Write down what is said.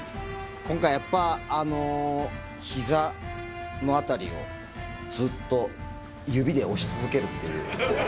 今回はやっぱ、ひざの辺りをずっと指で押し続けるっていう。